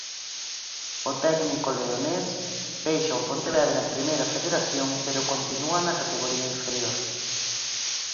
O técnico leonés deixa o Pontevedra en Primeira Federación, pero continúa na categoría inferior.